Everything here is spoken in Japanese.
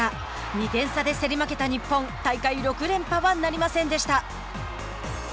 ２点差で競り負けた日本大会６連覇はなりませんでした。